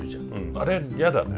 あれやだね。